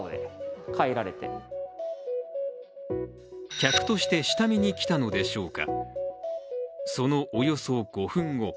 客として下見に来たのでしょうか。